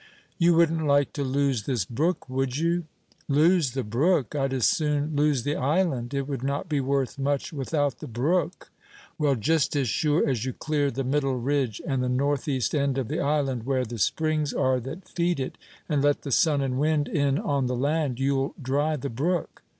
"You wouldn't like to lose this brook would you?" "Lose the brook! I'd as soon lose the island; it would not be worth much without the brook." "Well, just as sure as you clear the middle ridge, and the north east end of the island where the springs are that feed it, and let the sun and wind in on the land, you'll dry the brook."